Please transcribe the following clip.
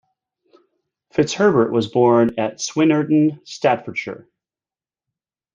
Fitzherbert was born at Swynnerton, Staffordshire.